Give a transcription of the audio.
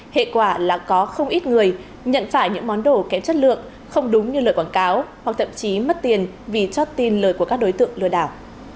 hệ quả là có không ít người nhận phải những món đồ kém chất lượng không đúng như lời quảng cáo hoặc thậm chí mất tiền vì chót tin lời của các đối tượng lừa đảo